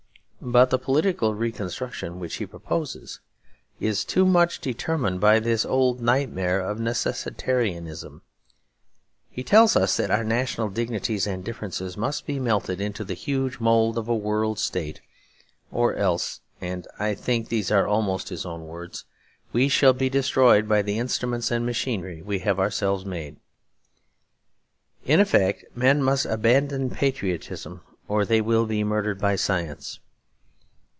But the political reconstruction which he proposes is too much determined by this old nightmare of necessitarianism. He tells us that our national dignities and differences must be melted into the huge mould of a World State, or else (and I think these are almost his own words) we shall be destroyed by the instruments and machinery we have ourselves made. In effect, men must abandon patriotism or they will be murdered by science.